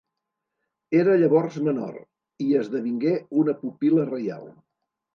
Era llavors menor, i esdevingué una pupil·la reial.